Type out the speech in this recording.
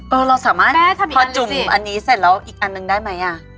เราสามารถพอจุ่มอันนี้เสร็จแล้วอีกอันนึงได้ไหมอ่ะ